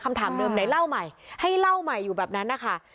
คำถามเดิมไหนเล่าใหม่ให้เล่าใหม่อยู่แบบนั้นนะคะ